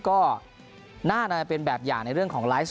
ขอตอบสุดท้ายส์